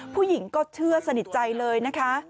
ผู้หญิงก็เชื่อสนิทใจเลยนะคะ